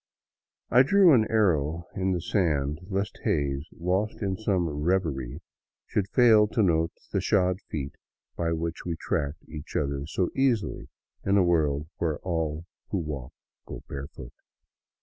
I drew an arrow in the sand lest Hays, lost in some reverie, should fail to note the shod feet by which we tracked each other so easily in a world where all who walk go barefoot.